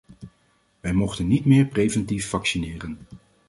Wij mochten niet meer preventief vaccineren.